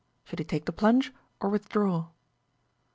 Should he take the plunge, or withdraw?